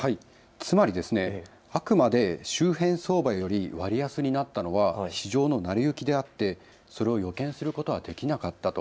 つまり、あくまで周辺相場より割安になったのは市場の成り行きであってそれを予見することはできなかったと。